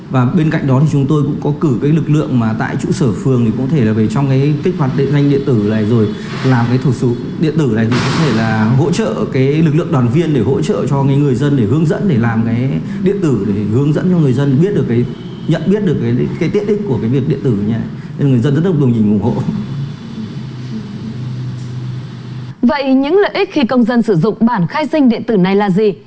vậy những lợi ích khi công dân sử dụng bản khai sinh điện tử này là gì